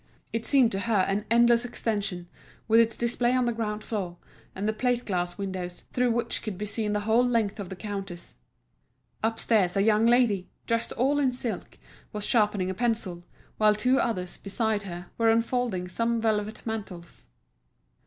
It seemed to her an endless extension, with its display on the ground floor, and the plate glass windows, through which could be seen the whole length of the counters. Upstairs a young lady, dressed all in silk, was sharpening a pencil, while two others, beside her, were unfolding some velvet mantles.